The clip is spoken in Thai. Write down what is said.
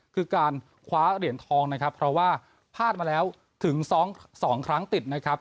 คือการคว้าเหรียญทองนะครับเพราะว่าพลาดมาแล้วถึงสองครั้งติดนะครับ